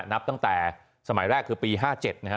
นับตั้งแต่สมัยแรกคือปี๕๗นะฮะ